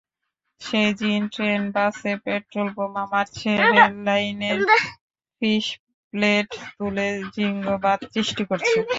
সেই জিন ট্রেন-বাসে পেট্রলবোমা মারছে, রেললাইনের ফিশপ্লেট তুলে জিঙ্গবাদ সৃষ্টি করছে।